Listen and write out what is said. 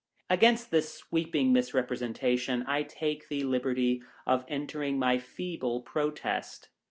Against this sweeping misrepresentation, I take the liberty of entering my feeble protest.